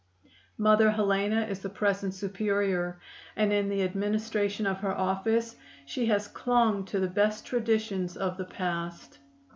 Mother Helena is the present Superior, and in the administration of her office she has clung to the best traditions of the past.